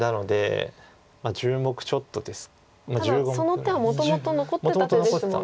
その手はもともと残ってた手ですもんね。